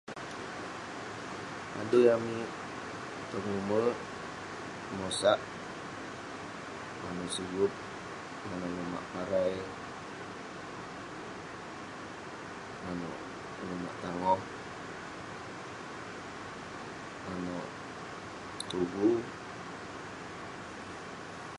Adui amik tong ume' ; mosak, manouk sigup, manouk lumak parai, manouk lumak tangoh, manouk tuvu.